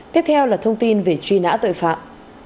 tiếp theo là thông tin về truy nã tội phạm